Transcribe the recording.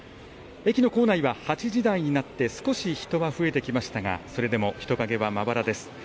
駅の構内は８時台になって少し人が増えてきましたがそれでも人影はまばらです。